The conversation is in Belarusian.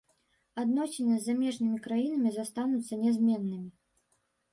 Адносіны з замежнымі краінамі застануцца нязменнымі.